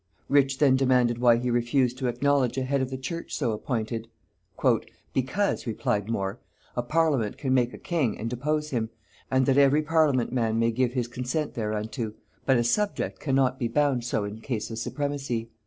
Rich then demanded, why he refused to acknowledge a head of the church so appointed? "Because," replied More, "a parliament can make a king and depose him, and that every parliament man may give his consent thereunto, but a subject cannot be bound so in case of supremacy."